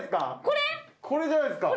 これじゃないですか？